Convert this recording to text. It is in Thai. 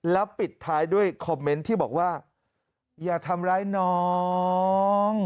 แล้วปิดท้ายด้วยคอมเมนต์ที่บอกว่าอย่าทำร้ายน้อง